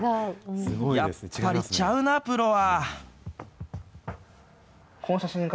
やっぱりちゃうな、プロは。